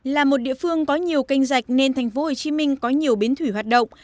là một địa phương có nhiều kênh dạch nên thành phố hồ chí minh có nhiều biến thủy hoạt động